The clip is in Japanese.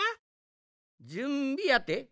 じゅんびやて？